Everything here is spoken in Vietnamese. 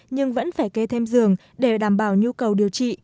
nhưng vẫn phải kê thêm giường để đảm bảo nhu cầu được